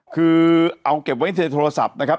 คือเอาเก็บไว้ในโทรศัพท์นะครับ